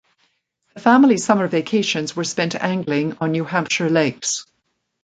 The family summer vacations were spent angling on New Hampshire lakes.